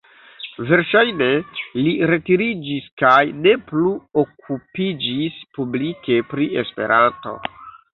Verŝajne li retiriĝis kaj ne plu okupiĝis publike pri Esperanto.